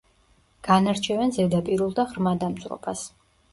განარჩევენ ზედაპირულ და ღრმა დამწვრობას.